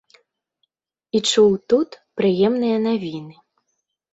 І чуў тут прыемныя навіны.